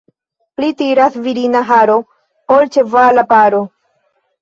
Pli tiras virina haro, ol ĉevala paro.